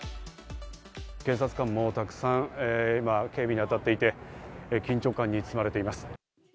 警察官もたくさん警備に当たっていて、緊張感に包まれています。